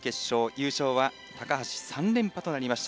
優勝は高橋３連覇となりました。